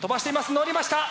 のりました！